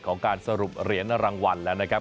การสรุปเหรียญรางวัลแล้วนะครับ